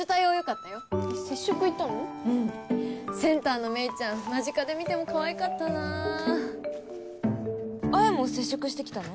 うんセンターのメイちゃん間近で見てもかわいかったなぁ文も接触してきたの？